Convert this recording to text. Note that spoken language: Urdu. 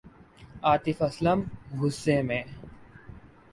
آطف اسلم غصے میں